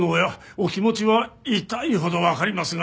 お気持ちは痛いほどわかりますが。